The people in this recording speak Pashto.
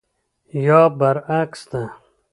یا برعکس ده.